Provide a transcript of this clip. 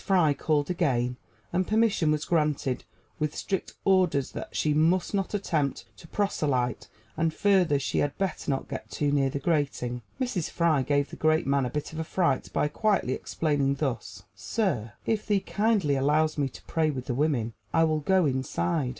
Fry called again, and permission was granted, with strict orders that she must not attempt to proselyte, and, further, she had better not get too near the grating. Mrs. Fry gave the great man a bit of fright by quietly explaining thus: "Sir, if thee kindly allows me to pray with the women, I will go inside."